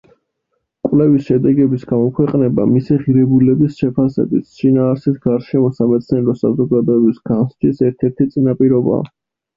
კვლევის შედეგების გამოქვეყნება მისი ღირებულების შეფასების, შინაარსის გარშემო სამეცნიერო საზოგადოების განსჯის ერთ-ერთი წინაპირობაა.